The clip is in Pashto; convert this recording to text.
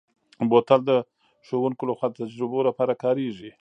بوتل د ښوونکو لخوا د تجربو لپاره کارېږي.